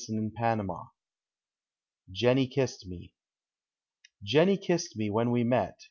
SHAKES PEA RE. JENNY * KISSED ME. Jenny kissed me when we met.